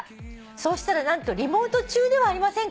「そうしたら何とリモート中ではありませんか」